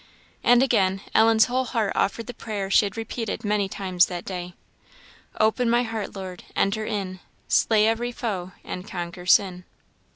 and again Ellen's whole heart offered the prayer she had repeated many times that day "Open my heart, Lord, enter in; Slay every foe, and conquer sin."